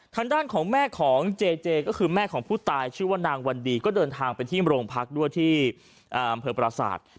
ทางด้านของแม่ของเจเจก็คือแม่ของผู้ตายชื่อว่านางวันดีก็เดินทางไปที่โรงพักด้วยที่อำเภอประสาท